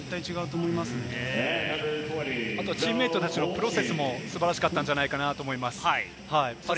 あとチームメートたちのプロセスも素晴らしかったんじゃないかなと思います。